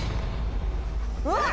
うわっ！